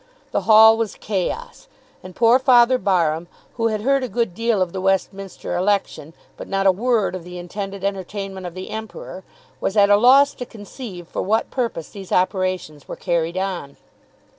The hall was chaos, and poor Father Barham, who had heard a good deal of the Westminster election, but not a word of the intended entertainment of the Emperor, was at a loss to conceive for what purpose these operations were carried on.